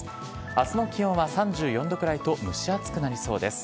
あすの気温は３４度くらいと、蒸し暑くなりそうです